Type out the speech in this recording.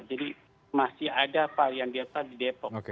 jadi masih ada varian delta di depok